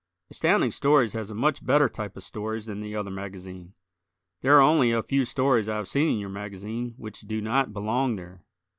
Astounding Stories has a much better type of stories than the other magazine. There are only a few stories I have seen in your magazine which do not belong there.